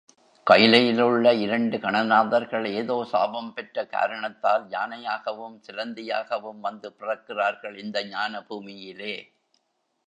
கைலையிலுள்ள இரண்டு கணநாதர்கள் ஏதோ சாபம் பெற்ற காரணத்தால் யானையாகவும் சிலந்தியாகவும் வந்து பிறக்கிறார்கள் இந்த ஞானபூமியிலே.